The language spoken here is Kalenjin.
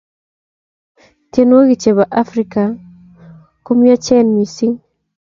tienwohik chepo afrika komiachen missing